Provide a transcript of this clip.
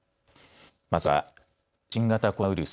まずは新型コロナウイルス。